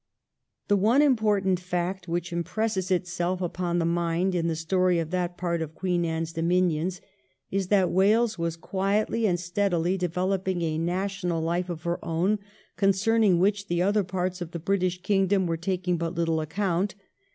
The one important fact which impresses itself upon the mind in the story of that part of Queen Anne's dominions, is that Wales was quietly and steadily developing a national life of her own concerning which the other parts of the British kingdom were taking but little account.